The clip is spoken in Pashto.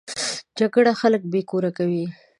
جګړه خلک بې کوره کوي